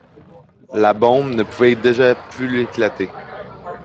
La bombe ne pouvait déjà plus éclater.